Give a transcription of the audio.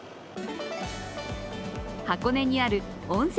箱根にある温泉